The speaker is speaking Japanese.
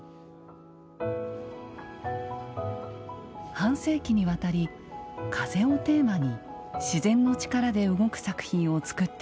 半世紀にわたり「風」をテーマに「自然のちから」で動く作品をつくってきました。